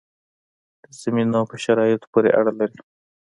د زمینو په شرایطو پورې اړه لري.